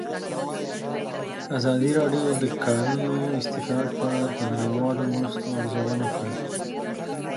ازادي راډیو د د کانونو استخراج په اړه د نړیوالو مرستو ارزونه کړې.